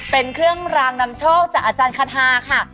เป็นเครื่องรางนำโชคจากอาจารย์คาทาค่ะ